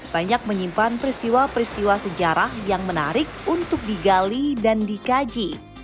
banyak menyimpan peristiwa peristiwa sejarah yang menarik untuk digali dan dikaji